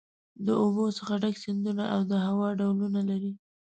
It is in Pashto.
د اوبو څخه ډک سیندونه او د هوا ډولونه لري.